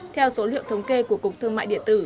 theo số liệu thống kê của cục thương mại điện tử